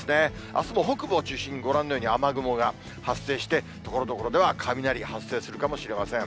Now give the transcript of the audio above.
あすも北部を中心に、ご覧のように雨雲が発生して、ところどころでは雷が発生するかもしれません。